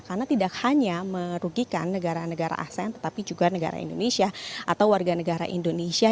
karena tidak hanya merugikan negara negara asean tetapi juga negara indonesia atau warga negara indonesia